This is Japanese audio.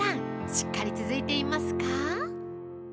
しっかり続いていますか。